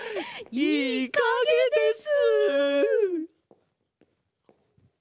いいかげです。